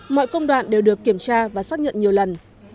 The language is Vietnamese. mọi công đoạn đều được kiểm tra và xác nhận nhiều lần